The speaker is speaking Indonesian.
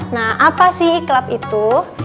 nah apa sih klub itu